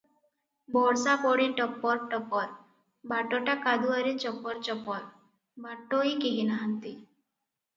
ବର୍ଷା ପଡ଼େ ଟପର ଟପର, ବାଟଟା କାଦୁଅରେ ଚପର ଚପର, ବାଟୋଇ କେହି ନାହାନ୍ତି ।